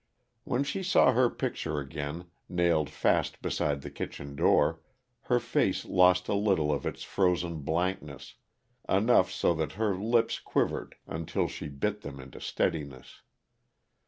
When she saw her picture again, nailed fast beside the kitchen door, her face lost a little of its frozen blankness enough so that her lips quivered until she bit them into steadiness.